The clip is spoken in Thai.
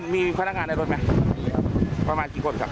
มีพนักงานในรถไหมครับประมาณกี่คนครับ